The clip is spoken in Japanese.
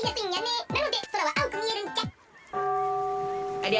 ありゃ？